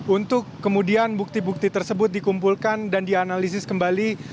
untuk kemudian bukti bukti tersebut dikumpulkan dan dianalisis kembali